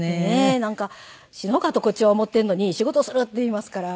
なんか死のうかとこっちは思ってんのに「仕事する」って言いますから。